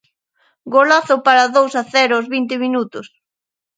Golazo para dous a cero aos vinte minutos.